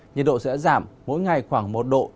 nhiệt độ sẽ giảm mỗi ngày khoảng một độ